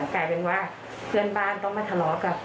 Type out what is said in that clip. กลายเป็นว่าเพื่อนบ้านต้องมาทะเลาะกับ